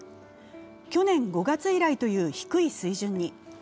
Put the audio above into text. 去年５月以来という低い水準に。